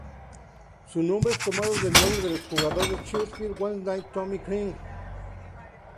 Su nombre es tomado del nombre del ex jugador de Sheffield Wednesday Tommy Craig.